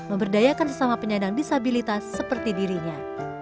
memberdayakan sesama penyandang disabilitas seperti dirinya